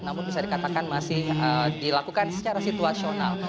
namun bisa dikatakan masih dilakukan secara situasional